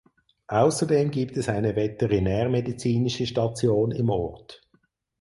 Außerdem gibt es eine veterinärmedizinische Station im Ort.